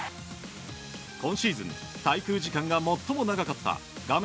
今シーズン滞空時間が最も長かった画面